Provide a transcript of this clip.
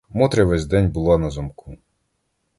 Мотря весь день була на замку.